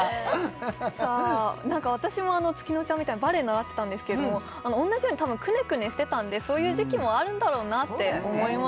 何か私も月乃ちゃんみたいにバレエ習ってたんですけれども同じようにたぶんクネクネしてたんでそういう時期もあるんだろうなって思います